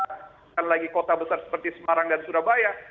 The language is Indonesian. bukan lagi kota besar seperti semarang dan surabaya